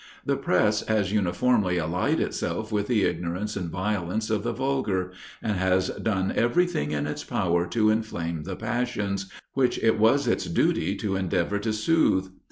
The press has uniformly allied itself with the ignorance and violence of the vulgar, and has done every thing in its power to inflame the passions, which it was its duty to endeavor to soothe.